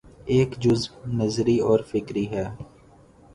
ایک جزو نظری اور فکری ہے۔